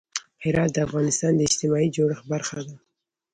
هرات د افغانستان د اجتماعي جوړښت برخه ده.